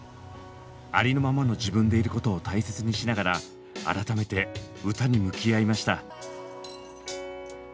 ありのままの自分でいることを大切にしながら改めて歌に向き合いました。